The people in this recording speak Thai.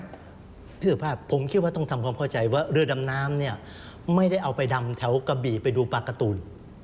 พี่สุภาพผมคิดว่าต้องทำความเข้าใจว่าเรือดำน้ำเนี่ยไม่ได้เอาไปดำแถวกระบี่ไปดูปากการ์ตูน